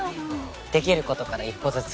できることから一歩ずつ。